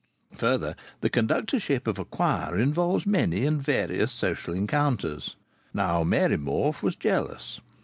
Further, the conductorship of a choir involves many and various social encounters. Now Mary Morfe was jealous.